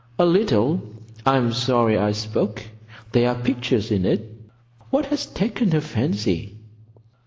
"A little. I am sorry I spoke. There are pictures in it. What has taken her fancy?"